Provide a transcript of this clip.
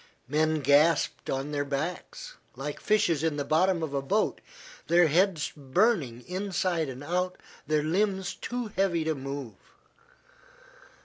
Men gasped on their backs, like fishes in the bottom of a boat, their heads burning inside and out, their limbs too heavy to move.